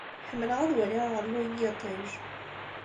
Ḥemmleɣ ad waliɣ aɣelluy n yiṭij.